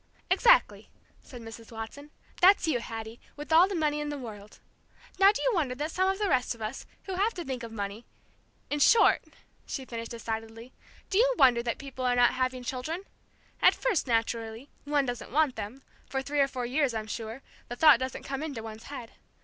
"Exactly," said Mrs. Watson. "That's you, Hattie, with all the money in the world. Now do you wonder that some of the rest of us, who have to think of money in short," she finished decidedly, "do you wonder that people are not having children? At first, naturally, one doesn't want them, for three or four years, I'm sure, the thought doesn't come into one's head.